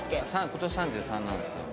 今年３３なんですよ。